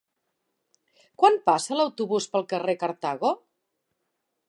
Quan passa l'autobús pel carrer Cartago?